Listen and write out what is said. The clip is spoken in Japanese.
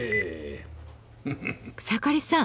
草刈さん